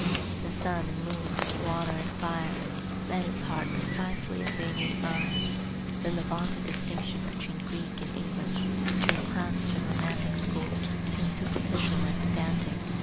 The sun and moon, water and fire, met his heart precisely as they meet mine. Then the vaunted distinction between Greek and English, between Classic and Romantic schools, seems superficial and pedantic.